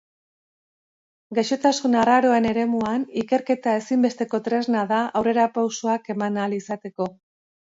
Gaixotasun arraroen eremuan, ikerketa ezinbesteko tresna da aurrerapausoak eman ahal izateko.